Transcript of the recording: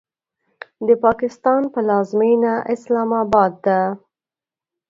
د پاکستان پلازمینه اسلام آباد ده.